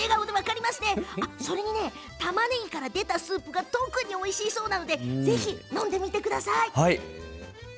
それにたまねぎから出たスープが特においしいそうなのでぜひ飲んでみてください。